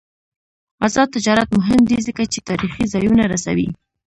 آزاد تجارت مهم دی ځکه چې تاریخي ځایونه رسوي.